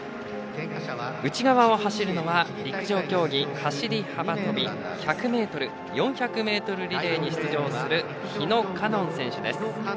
内側を走るのは陸上競技走り幅跳び、１００ｍ４００ｍリレーに出場する日野花音選手です。